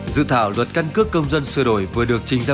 dự thảo luật căn cước công dân sửa đổi vừa được trình ra